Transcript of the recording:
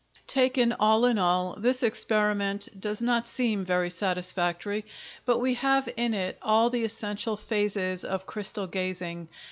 Taken all in all this experiment does not seem very satisfactory; but we have in it all the essential phases of crystal gazing.